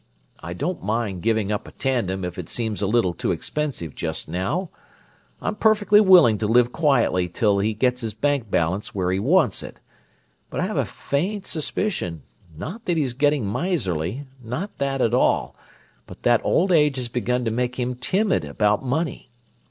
I don't mind giving up a tandem if it seems a little too expensive just now. I'm perfectly willing to live quietly till he gets his bank balance where he wants it. But I have a faint suspicion, not that he's getting miserly—not that at all—but that old age has begun to make him timid about money.